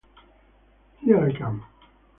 Here I Come